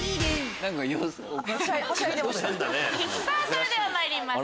それではまいります